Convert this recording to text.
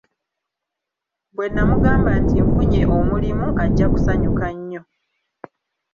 Bwe namugamba nti nfunye omulimu ajja kusanyuka nnyo!